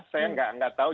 saya tidak tahu